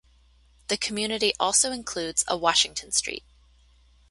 The community also includes a Washington Street.